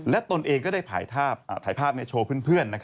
ตนเองก็ได้ถ่ายภาพในโชว์เพื่อน